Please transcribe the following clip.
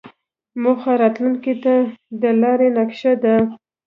موخه راتلونکې ته د لارې نقشه ده.